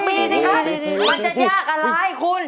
มีสิครับมันจะยากอะไรคุณ